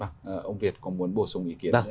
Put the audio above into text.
vâng ông việt có muốn bổ sung ý kiến